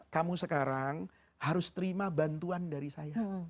kamu sekarang harus terima bantuan dari saya